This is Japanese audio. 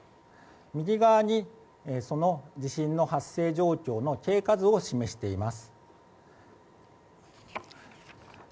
右側に、その地震の発生状況の経過図を示しています。